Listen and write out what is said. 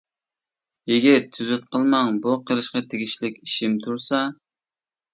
يىگىت-تۈزۈت قىلماڭ، بۇ قىلىشقا تېگىشلىك ئىشىم تۇرسا.